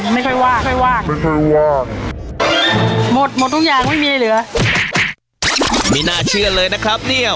ไม่น่าเชื่อเลยนะครับเนี้ย